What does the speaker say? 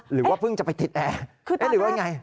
หรือว่าเพิ่งจะไปติดแอร์หรือว่ายังไง